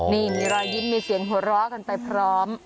นี่มีรอยยิ้มมีเสียงหัวเราะกันไปพร้อม